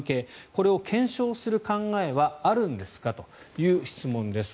これを検証する考えはあるんですかという質問です。